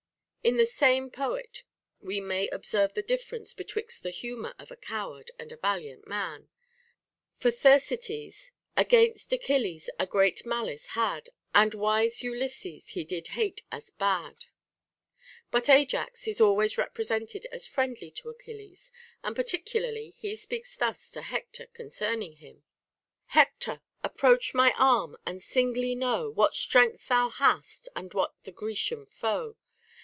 In the same poet also we may observe the difference betwixt the humor of a coward and a valiant man. For •Thersites Against Achilles a great malice had, And wise Ulysses he did hate as bad ; but Ajax is always represented as friendly to Achilles ; and particularly he speaks thus to Hector concerning him :— Hector ! approach my arm, and singly know What strength thou hast, and what the Grecian foe.